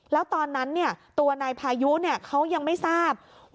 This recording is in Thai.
แล้วตอนนั้นตัวนายพายุเขายังไม่ทราบว่า